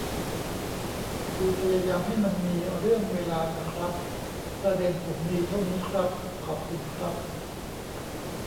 คือพยายามให้มันมีเรื่องเวลาน่ะครับ ประเด็นผมมีเท่านี้ครับ ขอบคุณครับ